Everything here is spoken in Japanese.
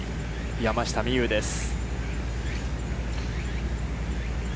山下美夢有です。